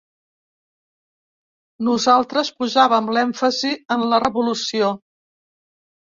Nosaltres posàvem l’èmfasi en la revolució.